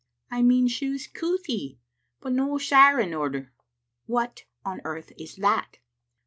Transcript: '* I mean she was couthie, but no sair in order/* " What on earth is that?"